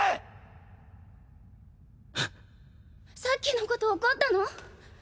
さっきのこと怒ったの？